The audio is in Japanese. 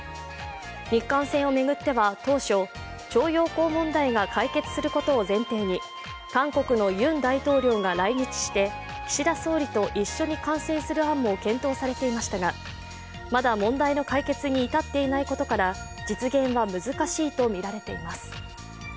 日韓戦を巡っては当初、徴用工問題が解決することを前提に韓国のユン大統領が来日して岸田総理と一緒に観戦する案も検討されていましたが、まだ問題の解決に至っていないことから実現は難しいとみられています。